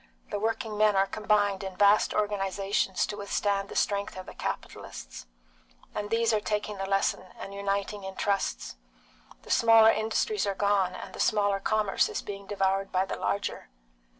The working men are combined in vast organisations to withstand the strength of the capitalists, and these are taking the lesson and uniting in trusts. The smaller industries are gone, and the smaller commerce is being devoured by the larger.